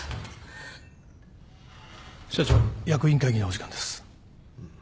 ・社長役員会議のお時間です。